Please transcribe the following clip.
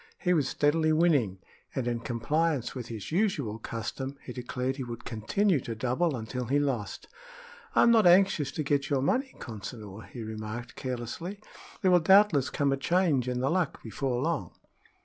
He was steadily winning, and in compliance with his usual custom, he declared he would continue to double until he lost. "I'm not anxious to get your money, Consinor," he remarked, carelessly. "There will doubtless come a change in the luck before long."